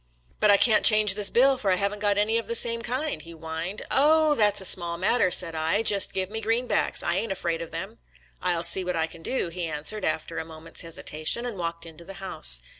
"But I can't change this bill, for I haven't got any of the same kind," he whined. " Oh ! that's a small matter," said I; "just give me green backs — I ain't afraid of them." " I'll see what I can do," he answered, after a moment's hesita tion, and walked into the house.